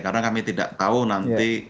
karena kami tidak tahu nanti